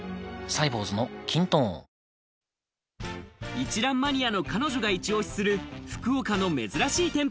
一蘭マニアの彼女が一押しする福岡の珍しい店舗。